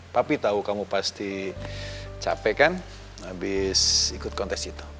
tapi tahu kamu pasti capek kan habis ikut kontes itu